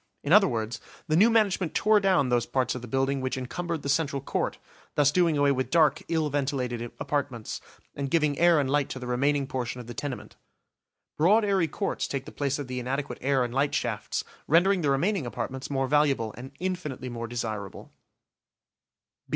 In other words, the new management tore down those parts of the building which encumbered the central court, thus doing away with dark, ill ventilated apartments, and giving air and light to the remaining portion of the tenement. Broad airy courts take the place of the inadequate air and light shafts, rendering the remaining apartments more valuable and infinitely more desirable.